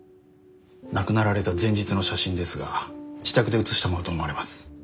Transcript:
亡くなられた前日の写真ですが自宅で写したものと思われます。